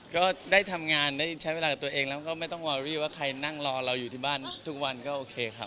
ก็ได้ทำงานได้ใช้เวลากับตัวเองแล้วก็ไม่ต้องวอรี่ว่าใครนั่งรอเราอยู่ที่บ้านทุกวันก็โอเคครับ